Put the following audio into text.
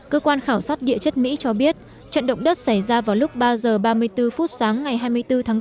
cơ quan khảo sát địa chất mỹ cho biết trận động đất xảy ra vào lúc ba h ba mươi bốn phút sáng ngày hai mươi bốn tháng bốn